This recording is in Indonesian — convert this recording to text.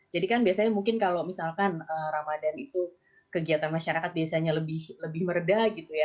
jadi kan biasanya mungkin kalau misalkan ramadan itu kegiatan masyarakat biasanya lebih meredah